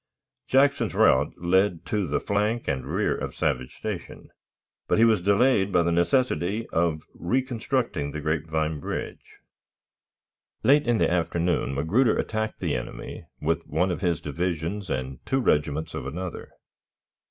Jackson's route led to the flank and rear of Savage Station, but he was delayed by the necessity of reconstructing the "Grapevine" Bridge. Late in the afternoon Magruder attacked the enemy with one of his divisions and two regiments of another.